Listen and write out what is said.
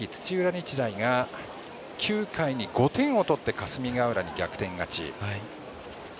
日大が９回に５点を取って霞ヶ浦に逆転勝ち。